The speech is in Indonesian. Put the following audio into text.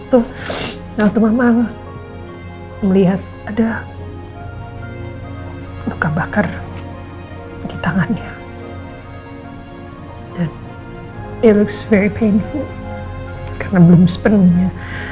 itu waktu mama melihat ada buka bakar di tangannya dan ilusifin karena belum sepenuhnya